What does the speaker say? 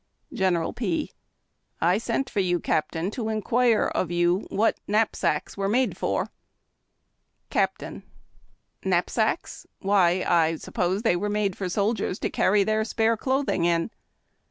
General P. — "I sent for 3'ou, Captain, to inquire of you what knapsacks were made for."' Captain. —" Knajxsacks !— wh}^ I suppose tliey were made for sol diers to carry their spare cloth ing in."